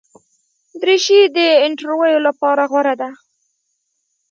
دریشي د انټرویو لپاره غوره ده.